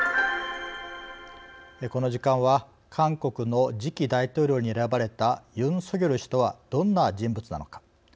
この時間は韓国の次期大統領に選ばれたユン・ソギョル氏とはどんな人物なのか。